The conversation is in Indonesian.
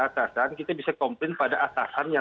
atasan kita bisa komplain pada atasannya